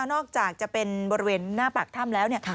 นอกจากจะเป็นบริเวณหน้าปากถ้ำแล้วเนี่ย